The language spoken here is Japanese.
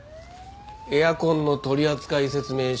エアコンの取扱説明書。